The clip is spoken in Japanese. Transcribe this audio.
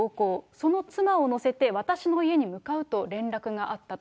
その妻を乗せて、私の家に向かうと連絡があったと。